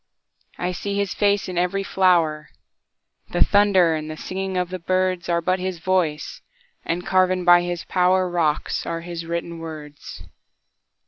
I see his face in every flower; The thunder and the singing of the birdsAre but his voice—and carven by his powerRocks are his written words.